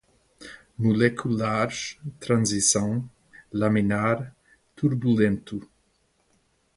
moleculares, transição, laminar, turbulento